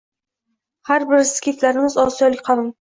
Ha, biz – skiflarmiz” Osiyolik qavm